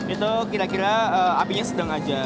itu kira kira apinya sedang aja